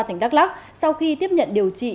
tỉnh đắk lắc sau khi tiếp nhận điều trị